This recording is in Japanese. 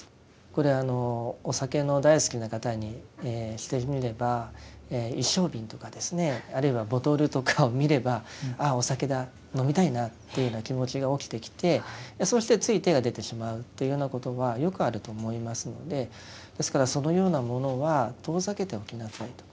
これお酒の大好きな方にしてみれば一升瓶とかですねあるいはボトルとかを見ればああお酒だ飲みたいなというような気持ちが起きてきてそしてつい手が出てしまうというようなことがよくあると思いますのでですからそのようなものは遠ざけておきなさいと。